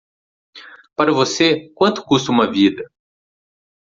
para você quanto custa uma vida